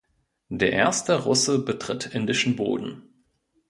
Der erste Russe betritt indischen Boden.